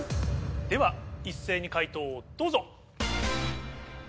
では一斉に解答をどうぞ！